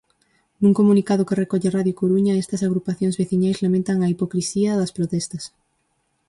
Nun comunicado que recolle Radio Coruña estas agrupacións veciñais lamentan a "hipocrisía" das protestas.